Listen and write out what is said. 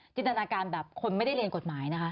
จินตนาการแบบคนไม่ได้เรียนกฎหมายนะคะ